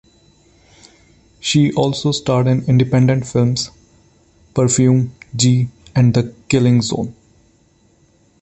She also starred in independent films "Perfume", "G" and "The Killing Zone".